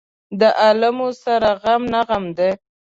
د عالمه سره غم نه غم دى.